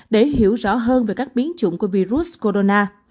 để hiểu rõ hơn về các biến chủng của virus corona